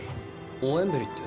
オエンベリって？